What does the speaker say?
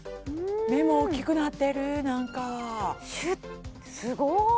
目も大きくなってる何かシュッすごい！